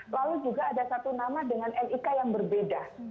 lalu juga ada satu nama dengan nik yang berbeda